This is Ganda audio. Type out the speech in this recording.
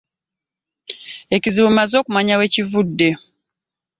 Ekizibu mmaze okumanya we kivudde.